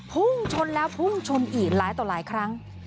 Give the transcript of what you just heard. พุ่งชนแล้วพุ่งชนอีกหลายต่อหลายครั้ง